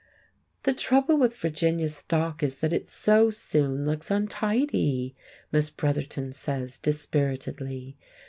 "The trouble with Virginia stock is that it so soon looks untidy," Miss Bretherton says dispiritedly.